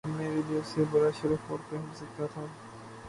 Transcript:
میرے لیے اس سے بڑا شرف اور کیا ہو سکتا تھا